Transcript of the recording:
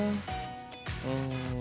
うん。